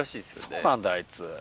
そうなんだよあいつ。